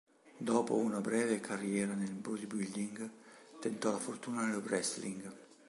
Dopo una breve carriera nel bodybuilding, tentò la fortuna nel wrestling.